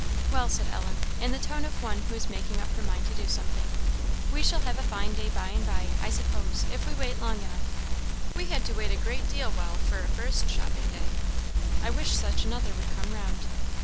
"Well," said Ellen, in the tone of one who is making up her mind to do something, "we shall have a fine day by and by, I suppose, if we wait long enough; we had to wait a great deal while for our first shopping day. I wish such another would come round."